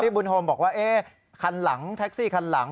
บุญโฮมบอกว่าคันหลังแท็กซี่คันหลัง